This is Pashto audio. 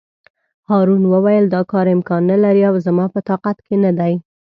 هارون وویل: دا کار امکان نه لري او زما په طاقت کې نه دی.